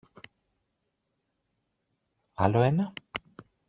Άλλο ένα;